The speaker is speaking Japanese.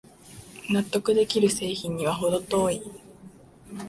納得できる製品にはほど遠い